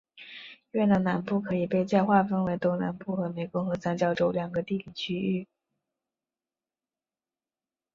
越南南部可以被再划分为东南部和湄公河三角洲两个地理区域。